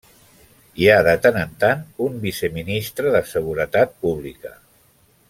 Hi ha de tant en tant un viceministre de Seguretat Pública.